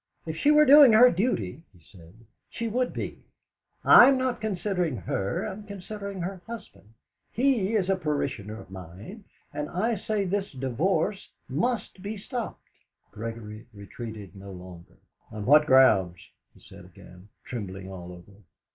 "If she were doing her duty," he said, "she would be. I'm not considering her I'm considering her husband; he is a parishioner of mine, and I say this divorce must be stopped." Gregory retreated no longer. "On what grounds?" he said again, trembling all over.